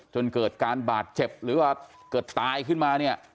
จนเกิดการบาดเจ็บหรือว่าเกิดตายขึ้นมาเนี่ย